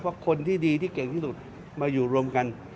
เพราะคนที่ดีที่เก่งที่สุดมาอยู่รวมกัน